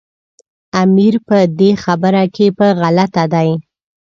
امیر په دې خبره کې په غلطه دی.